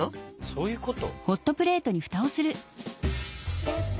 そういうこと？